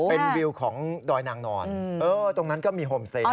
เป็นวิวของดอยนางนอนตรงนั้นก็มีโฮมเซน